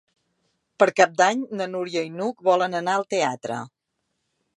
Per Cap d'Any na Núria i n'Hug volen anar al teatre.